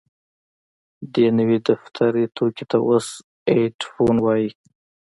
دې نوي دفتري توکي ته اوس ايډيفون وايي.